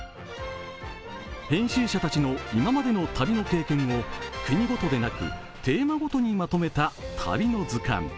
編集者たちの今までの旅の経験を国ごとでなくテーマごとにまとめた「旅の図鑑」。